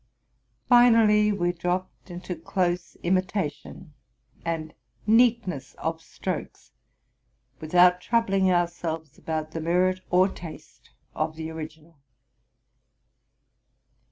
Finally we dropped into close imitation and neatness of strokes, with out troubling ourselves about the merit or taste of the origi nal.